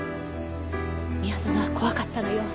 宮園は怖かったのよ